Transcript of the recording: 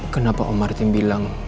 kenapa om martin bilang